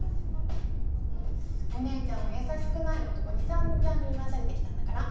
お姉ちゃんは優しくない男に散々振り回されてきたんだから。